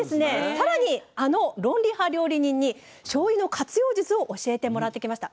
更にあの論理派料理人にしょうゆの活用術を教えてもらってきました。